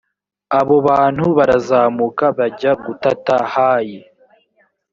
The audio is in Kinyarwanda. abo bantu barazamuka bajya gutata hayi.